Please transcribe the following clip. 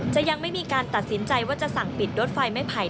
ยังไม่มีการตัดสินใจว่าจะสั่งปิดรถไฟไม่ไผ่